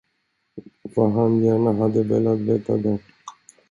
Vad han gärna hade velat veta det!